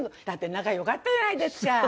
だって仲良かったじゃないですか。